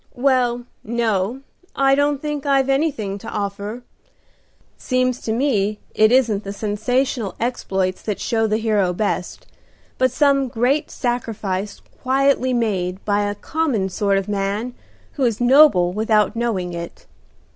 "Well, no, I don't think I've anything to offer. Seems to me it isn't the sensational exploits that show the hero best, but some great sacrifice quietly made by a common sort of man who is noble without knowing it.